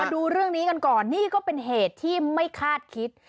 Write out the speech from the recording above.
ดูเรื่องนี้กันก่อนนี่ก็เป็นเหตุที่ไม่คาดคิด